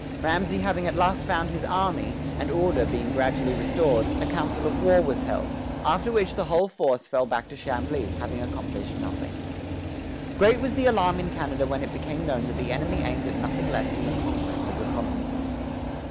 Ramesay having at last found his army, and order being gradually restored, a council of war was held, after which the whole force fell back to Chambly, having accomplished nothing. Great was the alarm in Canada when it became known that the enemy aimed at nothing less than the conquest of the colony.